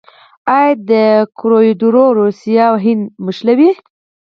آیا دا کوریډور روسیه او هند نه نښلوي؟